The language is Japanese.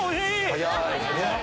早い。